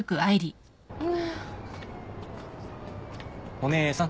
お姉さん。